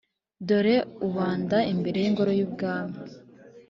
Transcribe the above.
dore ubanda imbere y’ingoro y’ibwami.